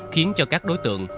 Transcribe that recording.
khiến cho các đối tượng